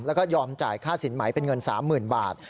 แล้วก็ยอมจ่ายค่าสินไหมเป็นเงิน๓๐๐๐บาท